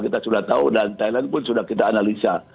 kita sudah tahu dan thailand pun sudah kita analisa